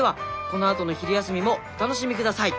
このあとの昼休みもお楽しみください。